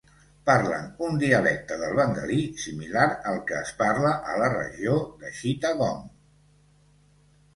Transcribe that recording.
Parlen un dialecte del bengalí similar al que es parla a la regió de Chittagong.